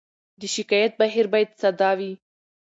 د شکایت بهیر باید ساده وي.